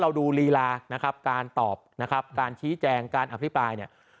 ดูลีลานะครับการตอบนะครับการชี้แจงการอภิปรายเนี่ย